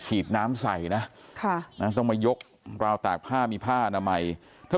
ฉีดน้ำใส่นะต้องมายกราวตากผ้ามีผ้าอนามัยถ้า